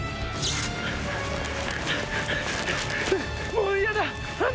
もう嫌だ。